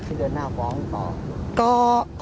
ที่เดือนหน้าฟ้องหรือเปล่า